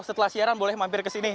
setelah siaran boleh mampir kesini